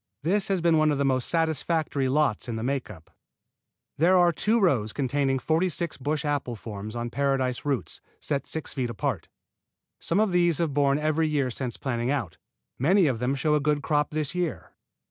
This has been one of the most satisfactory lots in the make up. There are two rows containing forty six bush form apples on paradise roots set six feet apart. Some of these have borne every year since planting out, many of them showing a good crop this year.